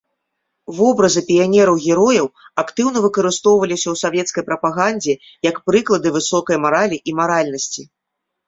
Вобразы піянераў-герояў актыўна выкарыстоўваліся ў савецкай прапагандзе як прыклады высокай маралі і маральнасці.